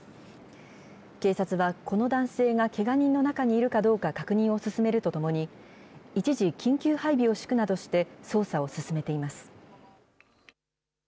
警察はこの男性がけが人の中にいるかどうか確認を進めるとともに、一時、緊急配備を敷くなどして、捜査を進めています。